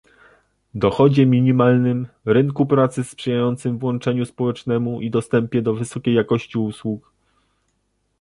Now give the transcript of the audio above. dochodzie minimalnym, rynku pracy sprzyjającym włączeniu społecznemu i dostępie do wysokiej jakości usług